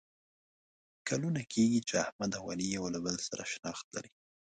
کلونه کېږي چې احمد او علي یو له بل سره شناخت لري.